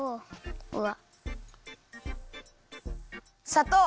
さとう。